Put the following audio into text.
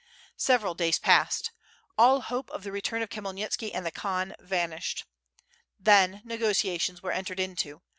Several days passed. All hope of the return of Khmyel nitski and the Khan vanished. Then negotiations were entered into.